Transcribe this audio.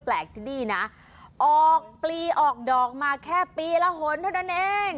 ที่นี่นะออกปลีออกดอกมาแค่ปีละหนเท่านั้นเอง